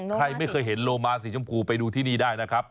ใครไม่เคยเห็นโลมาสีชมพูไปดูที่นี่ได้นะครับ